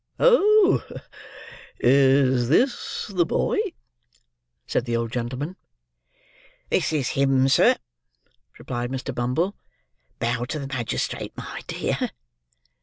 "Oh, is this the boy?" said the old gentleman. "This is him, sir," replied Mr. Bumble. "Bow to the magistrate, my dear."